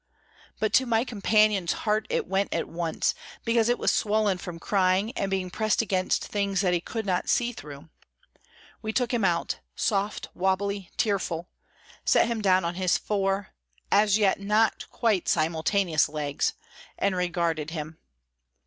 But to my companion's heart it went at once, because it was swollen from crying and being pressed against things that he could not see through. We took him out—soft, wobbly, tearful; set him down on his four, as yet not quite simultaneous legs, and regarded him.